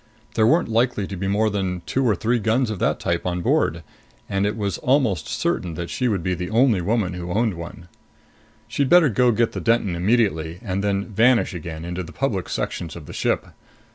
There weren't likely to be more than two or three guns of that type on board, and it was almost certain that she would be the only woman who owned one. She'd better go get the Denton immediately ... and then vanish again into the public sections of the ship!